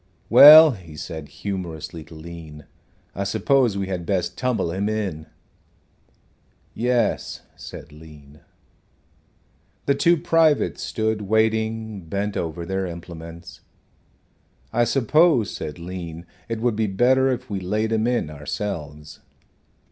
"Well," he said, humorously to Lean, "I suppose we had best tumble him in." "Yes," said Lean. The two privates stood waiting, bent over their implements. "I suppose," said Lean, "it would be better if we laid him in ourselves."